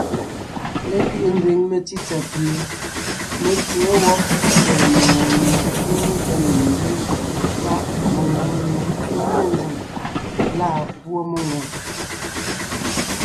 Lekẅiʼi nzẅìŋ metsítsà pie mé tsěen wɔ́b tsɛ̀ɛ megwòŋ mie é nyé tá ne nzyéen páʼ mengwòŋ mie é nye nzèm lâ púɔ mengwòŋ.